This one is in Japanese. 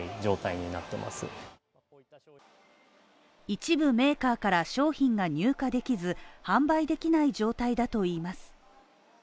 一部メーカーから商品が入荷できず、販売できない状態だといいます。